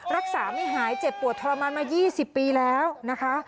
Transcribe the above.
รักษาไม่หายเจ็บปวดทรมานมา๒๐ปีแล้วนะคะ